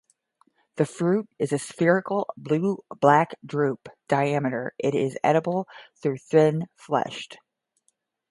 The fruit is a spherical, blue-black drupe, diameter; it is edible, though thin-fleshed.